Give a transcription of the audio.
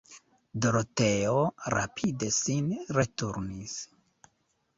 Doroteo rapide sin returnis.